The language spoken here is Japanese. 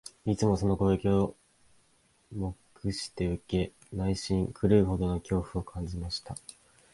いつもその攻撃を黙して受け、内心、狂うほどの恐怖を感じました